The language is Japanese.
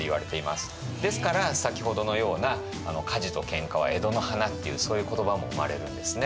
ですから先ほどのような「火事と喧嘩は江戸の華」っていうそういう言葉も生まれるんですね。